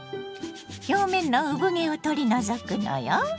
表面の産毛を取り除くのよ。